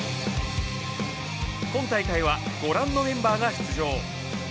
今大会はご覧のメンバーが出場。